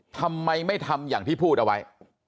ทำไมไม่ทำอย่างที่พูดเอาไว้